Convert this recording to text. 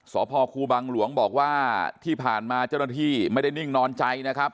สพครูบังหลวงบอกว่าที่ผ่านมาเจ้าหน้าที่ไม่ได้นิ่งนอนใจนะครับ